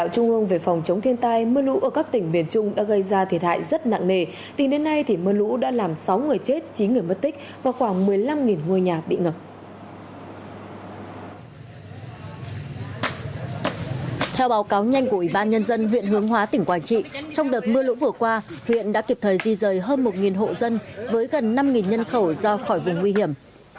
trong đợt mưa lũ vừa qua huyện đã kịp thời di rời hơn một hộ dân với gần năm nhân khẩu do khỏi vùng nguy hiểm